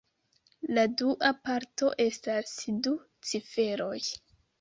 La dua parto estas du ciferoj.